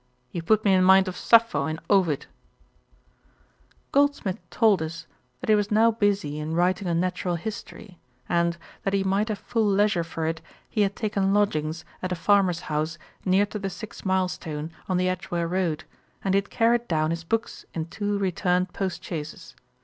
You put me in mind of Sappho in Ovid.' Goldsmith told us, that he was now busy in writing a natural history, and, that he might have full leisure for it, he had taken lodgings, at a farmer's house, near to the six mile stone, on the Edgeware road, and had carried down his books in two returned post chaises.